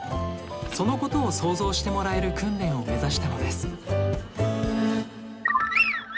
そのことを想像してもらえる訓練を目指したのです。